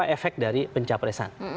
efek dari pencapresan